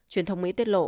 truyền thông mỹ tiết lộ